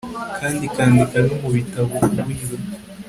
kandi ikandika no mu bitabo uburyo